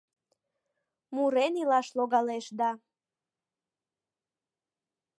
Мурен илаш логалеш да